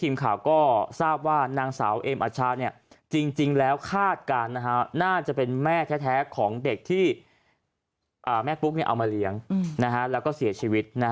แม่ปุ๊กเอามาเลี้ยงแล้วก็เสียชีวิต